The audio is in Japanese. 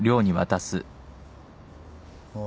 ああ。